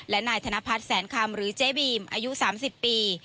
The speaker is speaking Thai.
และนายธนพัฒน์แสนคำหรือเจ๊บีมอายุ๓๐ปี